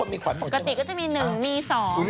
เดี๋ยวลองมาดูค่ะ